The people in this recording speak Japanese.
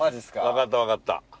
わかったわかった。